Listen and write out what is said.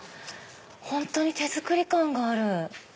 本当に手作り感がある！